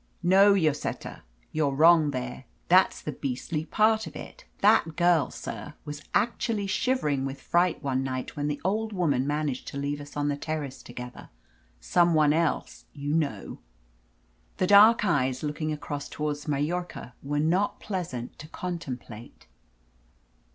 "No, Lloseta, you're wrong there. That's the beastly part of it. That girl, sir, was actually shivering with fright one night when the old woman managed to leave us on the terrace together. Some one else, you know!" The dark eyes looking across towards Majorca were not pleasant to contemplate.